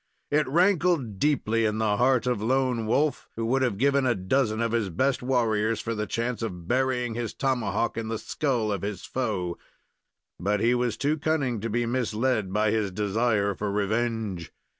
It rankled deeply in the heart of Lone Wolf, who would have given a dozen of his best warriors for the chance of burying his tomahawk in the skull of his foe; but he was too cunning to be misled by his desire for revenge.